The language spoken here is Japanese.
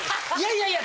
いやいや。